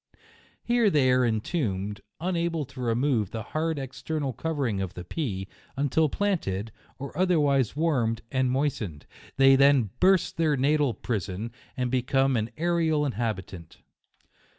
Here they are en tombed, unable to remove the hard external covering of the pea, until planted, or other wise warmed and moistened ; they then burst their natal prison, and become an aerial in habitant.